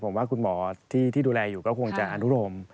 ผมว่าคุณหมอที่ดูแลอยู่ก็คงจะอนุโรม